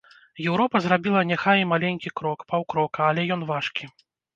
Еўропа зрабіла няхай і маленькі крок, паўкрока, але ён важкі.